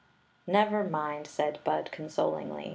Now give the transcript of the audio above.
" Never rhind," said Bud, consolingly.